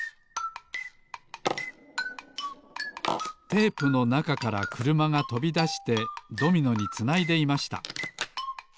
テープのなかからくるまがとびだしてドミノにつないでいました